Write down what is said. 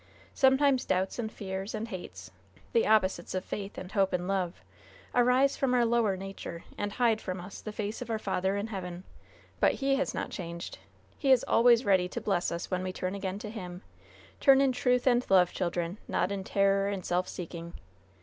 Sometimes doubts and fears and hates the opposites of faith and hope and love arise from our lower nature and hide from us the face of our Father in heaven; but He has not changed. He is always ready to bless us when we turn again to Him turn in truth and love, children, not in terror and self seeking.